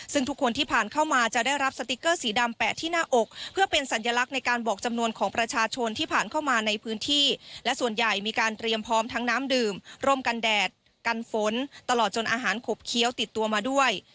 ซึ่งทุกคนที่ผ่านเข้ามาจะได้รับสติ๊กเกอร์สีดำแปะที่หน้าอกเพื่อเป็นสัญลักษณ์ในการบอกจำนวนของประชาชนที่ผ่านเข้ามาในพื้นที่และส่วนใหญ่มีการเตรียมพร้อมทั้งน้ำดื่มร่วมกันแดดกันฝนตลอดจนอาหารขบเคี้ยวติดตัวมาด้วย